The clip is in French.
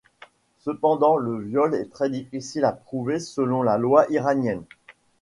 Cependant, le viol est très difficile à prouver selon la loi iranienne.